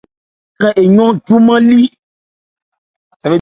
Krɛn eyɔ́n júmán-lí.